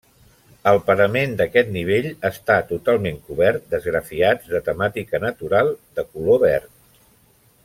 El parament d'aquest nivell està totalment cobert d'esgrafiats de temàtica natural de color verd.